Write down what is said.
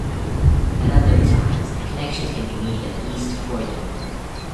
At other times, connections can be made at East Croydon.